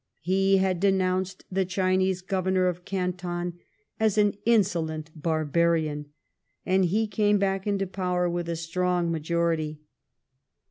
He had denounced the Chinese Governor of Canton as " an insolent barbarian," and he came back into power with a strong majority.